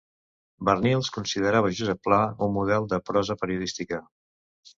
Barnils considerava Josep Pla un model de prosa periodística.